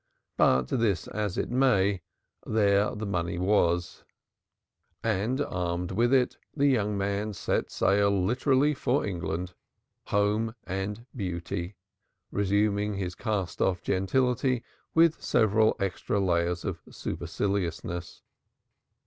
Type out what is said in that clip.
Be this as it may, there the money was, and, armed with it, the young man set sail literally for England, home and beauty, resuming his cast off gentility with several extra layers of superciliousness.